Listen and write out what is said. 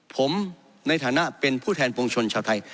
ผมในฐานะเป็นผู้แทนปวงชนชาวไทย